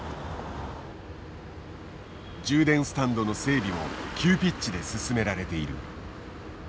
充電スタンドの整備も急ピッチで進められている。